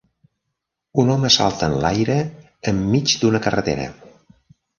Un home salta en l'aire enmig d'una carretera.